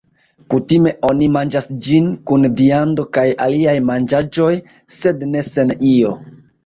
Kutime oni manĝas ĝin, kun viando kaj aliaj manĝaĵoj, sed ne sen io.